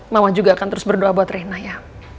mama juga akan terus berdoa buat rena ya